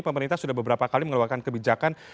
pemerintah sudah beberapa kali mengeluarkan kebijakan